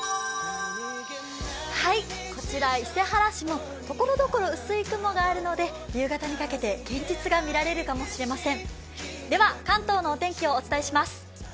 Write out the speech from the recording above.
こちら、伊勢原市もところどころ薄い雲があるので夕方にかけて幻日が見られるかもしれません。